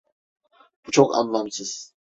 Bu çok anlamsız.